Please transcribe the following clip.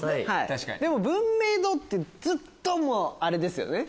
でも文明堂ってずっとあれですよね。